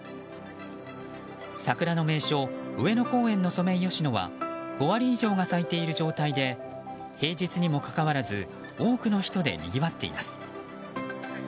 桜の名所、上野公園のソメイヨシノは５割以上が咲いている状態で平日にもかかわらず多くの人でにぎわっています。